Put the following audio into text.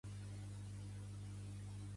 Pertany al moviment independentista la Cleo?